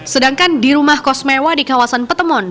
sedangkan di rumah kos mewah di kawasan petemon